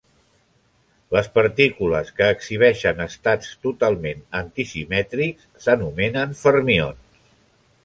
Les partícules que exhibeixen estats totalment antisimètrics s'anomenen fermions.